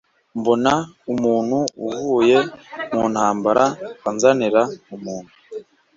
mbona umuntu uvuye mu ntambara anzanira umuntu